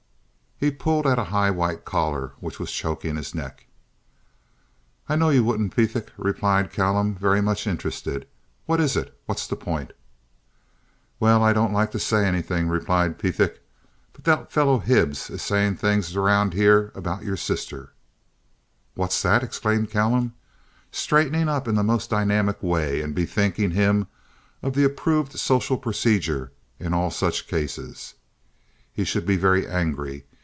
He pulled at a high white collar which was choking his neck. "I know you wouldn't, Pethick," replied Callum; very much interested. "What is it? What's the point?" "Well, I don't like to say anything," replied Pethick, "but that fellow Hibbs is saying things around here about your sister." "What's that?" exclaimed Callum, straightening up in the most dynamic way and bethinking him of the approved social procedure in all such cases. He should be very angry.